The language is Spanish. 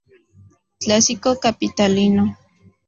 Clásico Capitalino